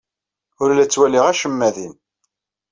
Ur la ttwaliɣ acemma din.